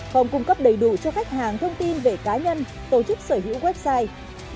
không cung cấp đầy đủ cho khách hàng thông tin về cá nhân tổ chức sở hữu website